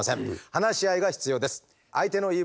話し合いが必要です。